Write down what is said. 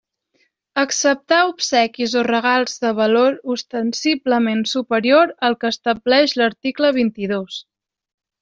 Acceptar obsequis o regals de valor ostensiblement superior al que estableix l'article vint-i-dos.